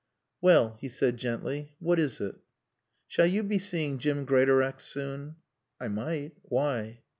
"Well," he said gently, "what is it?" "Shall you be seeing Jim Greatorex soon?" "I might. Why?"